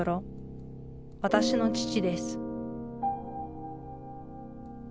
私の父です